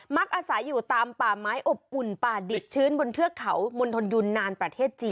อาศัยอยู่ตามป่าไม้อบอุ่นป่าดิบชื้นบนเทือกเขามณฑลยุนนานประเทศจีน